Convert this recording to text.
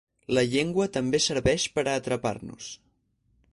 La llengua també serveix per a atrapar-nos.